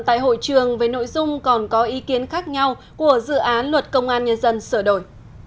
tại hội trường về nội dung còn có ý kiến khác nhau của dự án luật công an nhân dân sửa đổi